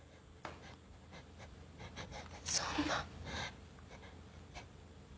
そんな。